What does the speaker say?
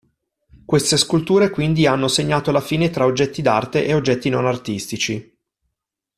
Queste sculture quindi hanno segnato la fine tra oggetti d'arte e oggetti non artistici.